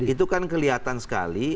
itu kan kelihatan sekali